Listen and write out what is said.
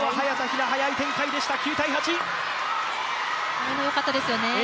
今のよかったですよね。